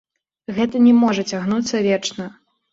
Гэта не можа цягнуцца вечна.